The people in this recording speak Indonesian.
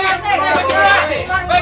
keluar bu besi